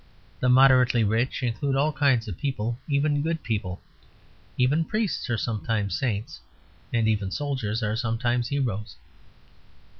The moderately rich include all kinds of people even good people. Even priests are sometimes saints; and even soldiers are sometimes heroes.